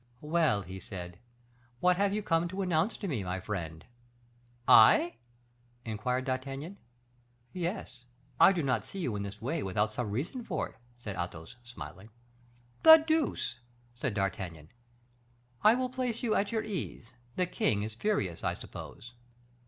"Well," he said, "what have you come to announce to me, my friend?" "I?" inquired D'Artagnan. "Yes; I do not see you in this way without some reason for it," said Athos, smiling. "The deuce!" said D'Artagnan. "I will place you at your ease. The king is furious, I suppose?"